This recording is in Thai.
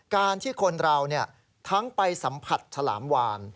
การที่คนเราทั้งไปสัมผัสฉลามวาน